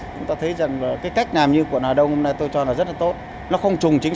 chúng ta thấy rằng cái cách làm như quận hà đông hôm nay tôi cho là rất là tốt nó không trùng chính